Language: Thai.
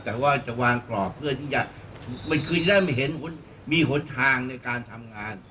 แต่จะวางกรอบเพื่อที่จะมีหนทางในการทำงาน